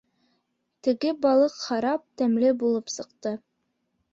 Теге балыҡ харап тәмле булып сыҡты.